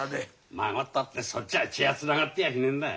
孫ったってそっちは血がつながってやしねえんだい。